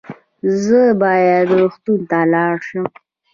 زه باید روغتون ته ولاړ سم